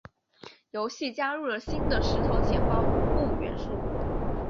游戏加入了新的石头剪刀布元素。